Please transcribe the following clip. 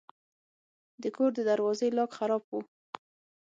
د کور د دروازې لاک خراب و.